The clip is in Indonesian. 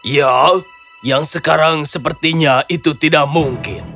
ya yang sekarang sepertinya itu tidak mungkin